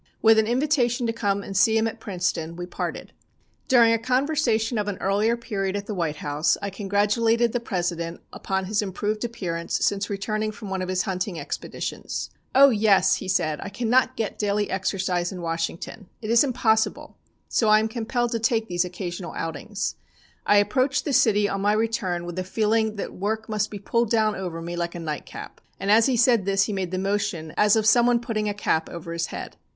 With an invitation to come and see him at Princeton, we parted. "During a conversation of an earlier period at the White House, I congratulated the President upon his improved appearance since returning from one of his hunting expeditions. "'Oh! Yes!' he said, 'I cannot get daily exercise in Washington. It is impossible, so I am compelled to take these occasional outings. I approach the city on my return with a feeling that work must be pulled down over me, like a nightcap,' and as he said this he made the motion as of someone putting on a cap over his head.